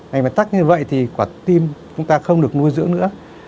mạch mạch tắt như vậy thì quả tim chúng ta không được nuôi dưỡng nữa